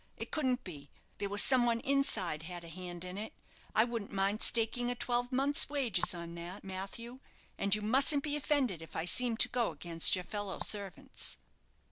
It couldn't be. There was some one inside had a hand in it. I wouldn't mind staking a twelvemonth's wages on that, Matthew and you musn't be offended if I seem to go against your fellow servants."